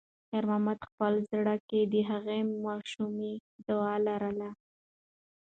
خیر محمد په خپل زړه کې د هغې ماشومې دعا لرله.